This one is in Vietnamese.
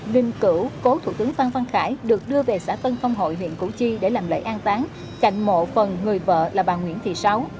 linh cửu cố thủ tướng phan văn khải được đưa về xã tân phong hội huyện củ chi để làm lễ an tán cạnh mộ phần người vợ là bà nguyễn thị sáu